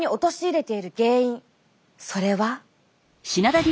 それは。